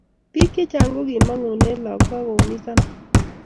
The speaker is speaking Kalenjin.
Bik chechang kokimangune lakok akoumizana